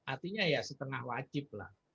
artinya ya setengah wajib lah